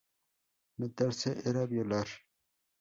Meterse era violar".